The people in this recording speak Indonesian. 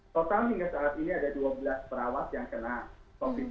total hingga saat ini ada dua belas perawat yang kena covid sembilan belas